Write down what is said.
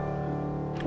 udah itu aja